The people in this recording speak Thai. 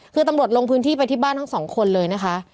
คือตำรวจลงพื้นที่ไปที่บ้านทั้งสองคนเลยนะคะ